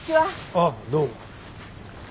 ああどうも。